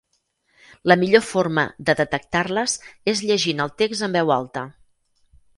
La millor forma de detectar-les és llegint el text en veu alta.